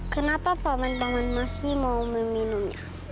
kenapa paman paman masih mau meminumnya